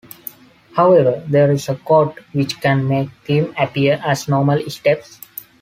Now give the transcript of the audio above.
However, there is a code which can make them appear as normal steps.